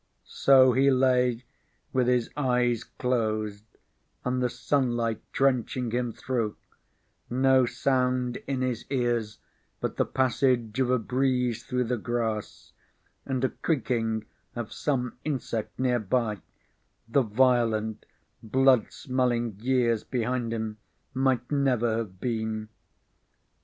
So he lay, with his eyes closed and the sunlight drenching him through, no sound in his ears but the passage of a breeze through the grass and a creaking of some insect nearby the violent, blood smelling years behind him might never have been.